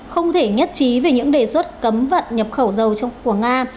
không thể nhất trí về những đề xuất cấm vận nhập khẩu dầu của nga